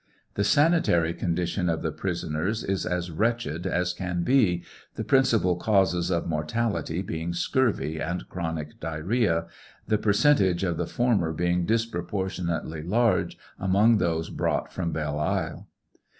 The sanitary condition of the prisoners is as wretched as can be, the principal causes of mortality being scurvy and chronic dian hoaa, the percentage of the former being disproportionately largo among those brought from Belle island.